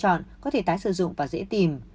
khẩu trang phẫu thuật có thể tái sử dụng và dễ tìm